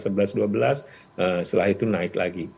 setelah itu naik lagi